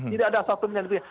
tidak ada satu pun yang dipiksa